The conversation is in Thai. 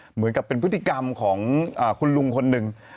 เหมือนกับเป็นพฤติกรรมของคุณลุงคนหนึ่ง